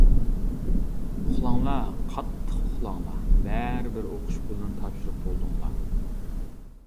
ئۇخلاڭلار، قاتتىق ئۇخلاڭلار، بەرىبىر ئوقۇش پۇلىنى تاپشۇرۇپ بولدۇڭلار.